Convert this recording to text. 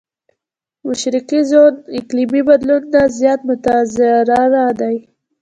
مشرقي زون اقليمي بدلون نه زيات متضرره دی.